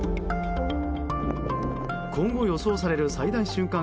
今後予想される最大瞬間